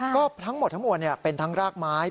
ก็ทั้งหมดทั้งมวลเป็นทั้งรากไม้